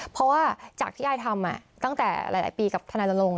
เพราะว่าจากที่อายทำตั้งแต่หลายปีกับทนายลง